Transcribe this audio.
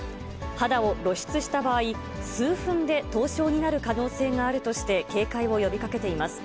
肌を露出した場合、数分で凍傷になる可能性があるとして、警戒を呼びかけています。